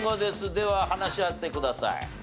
では話し合ってください。